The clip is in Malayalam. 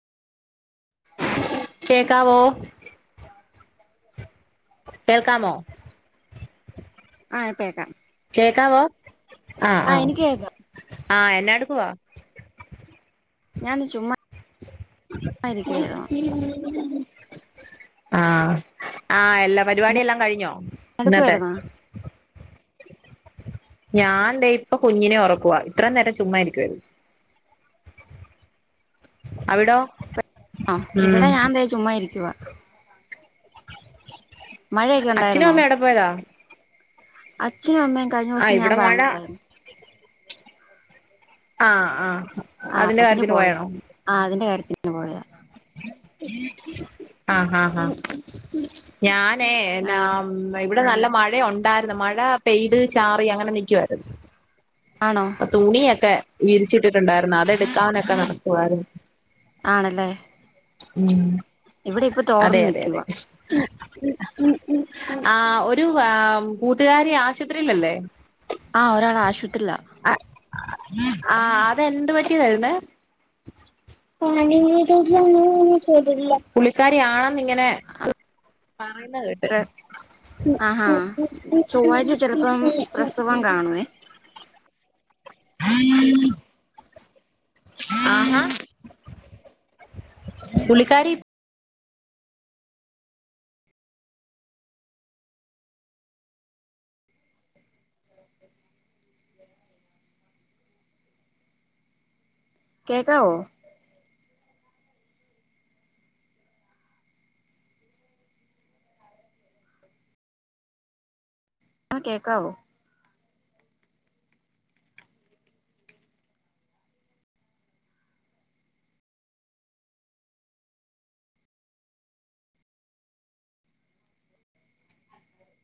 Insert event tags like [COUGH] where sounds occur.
കേക്കാവോ... കേൾക്കാമോ. ആഹ് കേക്കാ കേക്കാവോ.. ആഹ് ആഹ്, എനിക്ക് കേക്കാം ആഹ് എന്നാ എടുക്കുവാ. ഞാന്ന് ചുമ്മാ [UNINTELLIGIBLE] ഇരിക്കുവായിരുന്നു ആഹ്.. ആഹ് എല്ലാ പിന്നെ പരിപാടിയെല്ലാം കഴിഞ്ഞോ? ഇന്നത്തെ എടുക്കുവായിരുന്നോ ഞാൻ ദേ, ഇപ്പ കുഞ്ഞിനെ ഒറക്കുവാ. ഇത്രയും നേരം ചുമ്മായിരിക്കുവായിര് ന്നു അവിടോ.. [UNINTELLIGIBLE] ഇവിടെ ഉം ഞാൻ ദേ, ചുമ്മാ ഇരിക്കുവാ. മഴയൊക്കെ അച്ഛനും ഉണ്ടായിരുന്നോ അമ്മയും ഏവിടെ പോയതാ? അച്ഛനും അമ്മയും ആഹ് കഴിഞ്ഞോസം ഞാൻ ഇവിടെ മഴ പറഞ്ഞില്ലായിരുന്നോ? ആഹ് ആഹ് ആഹ് അതിന്റെ അതിന് കാര്യത്തിന് പോയതാ പോയാണോ ആഹ് അതിന്റെ കാര്യത്തിന് പോയതാ ആഹ് ആഹ് ആഹ്. ഞാനേ ആഹ് എന്നാം ഇവടെ നല്ല മഴ ഒണ്ടായ്ര്ന്നു മഴ പെയ്ത് ചാറി അങ്ങനെ നിക്കുവായിരുന്നു. ആണോ? അപ്പ തുണിയൊക്കെ വിരിച്ചിട്ടിട്ടുണ്ടായിര്ന്നു അതെടുക്കാനൊക്കെ നടക്കുവാരുന്നു. ആണല്ലേ? ഉം ഇവിടെ ഇപ്പൊ അതെ തോർന്ന് അതെ നിക്കുവാ ആഹ് ഒരു വാ കൂട്ടുകാരി ആശുപത്രിലല്ലേ? ആഹ് ഒരാളാശ്വത്രീലാ അഹ് ആഹ് അതെന്ത് പറ്റിയതാര്ന്ന്? പുള്ളിക്കാരി ആണോന്നിങ്ങനെ പറയ്ന്ന കേട്ട്. പ്ര ആഹാ ചൊവ്വാഴ്ച ചെലപ്പം പ്രസവം കാണുവേ. ആഹ് ആഹ് പുള്ളിക്കാരിയിപ് കേക്കാവോ? ആഹ് കേക്കാവോ?